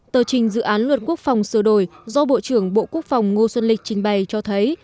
tờ trình dự án luật quốc phòng sửa đổi do bộ trưởng bộ quốc phòng ngô xuân lịch trình bày cho thấy